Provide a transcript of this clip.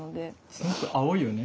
すごく青いよね。